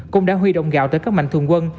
cũng đã huy động gạo tới các mạnh thường quân